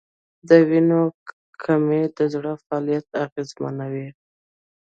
د وینې کمی د زړه فعالیت اغېزمنوي.